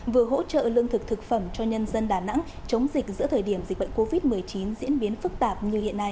vừa hỗ trợ lương thực thực phẩm cho nhân dân đà nẵng chống dịch giữa thời điểm dịch bệnh covid một mươi chín diễn biến phức tạp như hiện nay